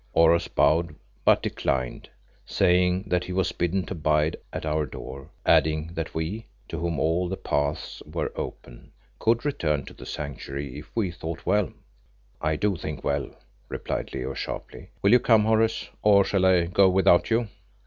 Oros bowed, but declined, saying that he was bidden to bide at our door, adding that we, "to whom all the paths were open," could return to the Sanctuary if we thought well. "I do think well," replied Leo sharply. "Will you come, Horace, or shall I go without you?"